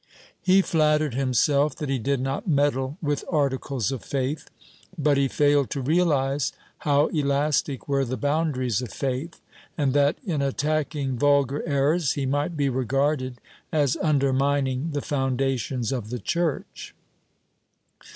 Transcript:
He flattered himself that he did not meddle with articles of faith, but he failed to realize how elastic were the boundaries of faith, and that, in attacking vulgar errors, he might be regarded as undermining the foundations of the Church.